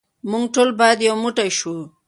موږ ټول باید یو موټی شو.